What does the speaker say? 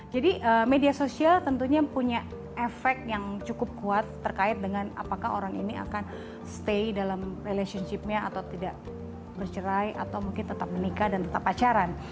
jadi media sosial tentunya punya efek yang cukup kuat terkait dengan apakah orang ini akan stay dalam relationship nya atau tidak bercerai atau mungkin tetap menikah dan tetap pacaran